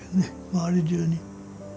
周り中に。